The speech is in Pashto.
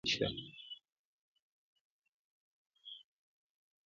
دلته د جمجمې د عبادت مراسمو په اړه شواهد شته